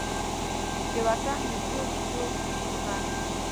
چې وطن مې ټول په یو ږغ،